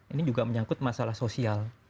ini juga menyangkut masalah sosial